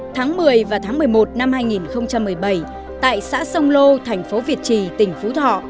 tháng một mươi và tháng một mươi một năm hai nghìn một mươi bảy tại xã sông lô thành phố việt trì tỉnh phú thọ